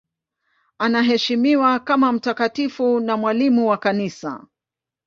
Anaheshimiwa kama mtakatifu na mwalimu wa Kanisa.